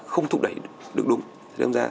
không thụ đẩy được đúng